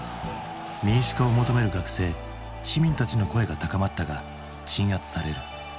民主化を求める学生市民たちの声が高まったが鎮圧される。